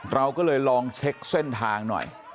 เราก็เลยลองเช็คเส้นทางหน่อย